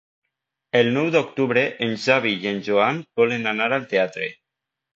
El nou d'octubre en Xavi i en Joan volen anar al teatre.